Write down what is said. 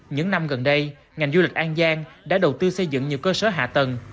những năm gần đây ngành du lịch an giang đã đầu tư xây dựng nhiều cơ sở hạ tầng